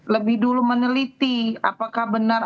lebih dulu meneliti apakah benar